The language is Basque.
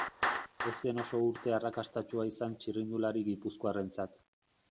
Ez zen oso urte arrakastatsua izan txirrindulari gipuzkoarrarentzat.